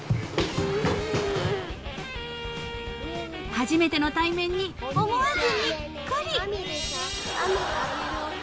［初めての対面に思わずにっこり］